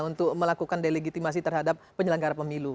untuk melakukan delegitimasi terhadap penyelenggara pemilu